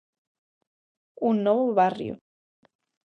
Un novo barrio.